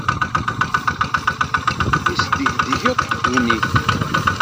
Isdegdeg akk ddunit.